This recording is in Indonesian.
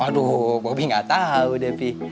aduh bobi ga tau deh pih